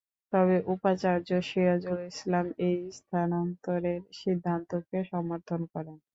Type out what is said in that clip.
তবে উপাচার্য সিরাজুল ইসলাম এই স্থানান্তরের সিদ্ধান্তকে সমর্থন করেন।